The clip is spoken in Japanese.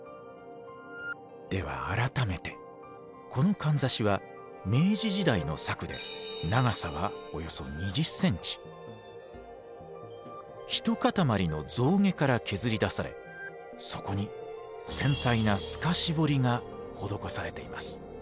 では改めてこのかんざしは明治時代の作で長さはおよそ一塊の象牙から削り出されそこに繊細な透かし彫りが施されています。